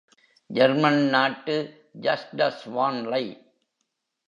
German நாட்டு Justus வான்லை!